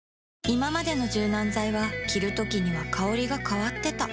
いままでの柔軟剤は着るときには香りが変わってた